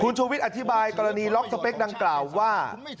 ชูวิทย์อธิบายกรณีล็อกสเปคดังกล่าวว่า